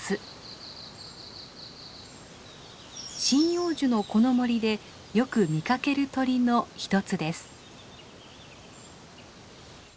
針葉樹のこの森でよく見かける鳥の一つです。